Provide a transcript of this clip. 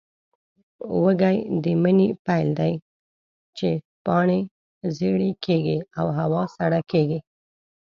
وږی د مني پیل دی، چې پاڼې ژېړې کېږي او هوا سړه کېږي.